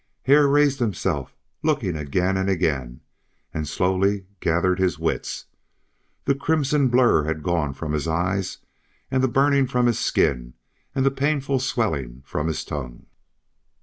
Hare raised himself, looking again and again, and slowly gathered his wits. The crimson blur had gone from his eyes and the burning from his skin, and the painful swelling from his tongue.